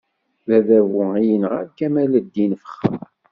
D Adabu i yenɣan Kamal-ddin Fexxar.